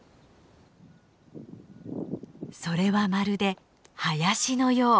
それはまるで林のよう。